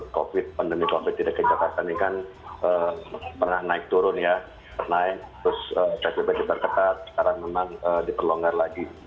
karena pandemi covid sembilan belas di dki jakarta ini kan pernah naik turun ya pernah naik terus terjebak jebak ketat sekarang memang diperlonggar lagi